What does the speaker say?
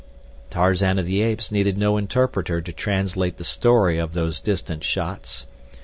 Tarzan of the Apes needed no interpreter to translate the story of those distant shots.